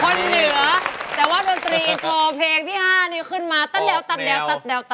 คนเหนือแต่ว่าดนตรีอิทรองเพลงที่๕นี้ขึ้นมาทันแล้วตั้งแต่ว